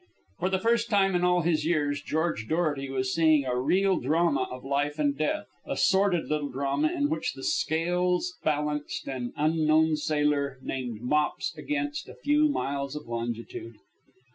For the first time in all his years, George Dorety was seeing a real drama of life and death a sordid little drama in which the scales balanced an unknown sailor named Mops against a few miles of longitude.